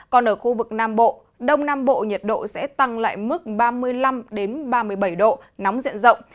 còn ở khu vực nam bộ đông nam bộ nhiệt độ sẽ tăng lại mức ba mươi năm ba mươi bảy độ nóng diện rộng